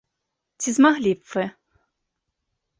Ці змаглі б вы?